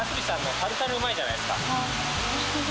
タルタルうまいじゃないですか」